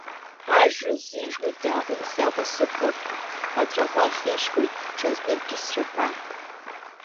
Ажра сзижуеит дааҟәымҵӡакәа сықәлак, аҵәаӷәа ахьишьуеит ҽазныкгьы сцәаҳәа.